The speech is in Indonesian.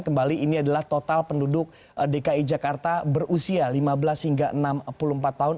kembali ini adalah total penduduk dki jakarta berusia lima belas hingga enam puluh empat tahun